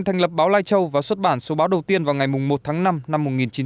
thành lập báo lai châu và xuất bản số báo đầu tiên vào ngày một tháng năm năm một nghìn chín trăm bảy mươi